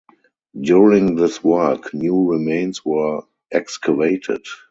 During this work new remains were excavated.